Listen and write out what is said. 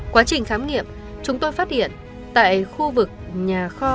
quá trình khám nghiệm chúng tôi phát hiện tại khu vực nhà kho